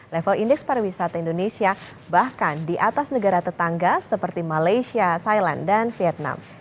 level indeks pariwisata indonesia bahkan di atas negara tetangga seperti malaysia thailand dan vietnam